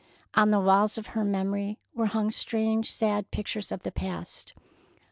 On the walls of her memory were hung strange, sad pictures of the past.